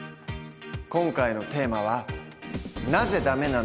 今回のテーマは「なぜダメなの？